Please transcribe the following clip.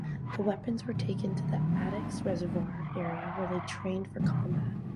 The weapons were taken to the Addicks Reservoir area, where they trained for combat.